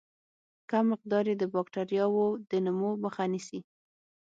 کم مقدار یې د باکتریاوو د نمو مخه نیسي.